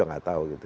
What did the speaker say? nggak tahu gitu